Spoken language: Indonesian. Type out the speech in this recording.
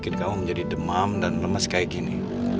bikin kamu menjadi demam dan lemas kayak gini